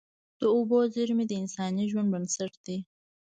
د اوبو زیرمې د انساني ژوند بنسټ دي.